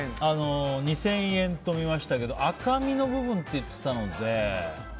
２０００円と見ましたが赤身の部分って言っていたので。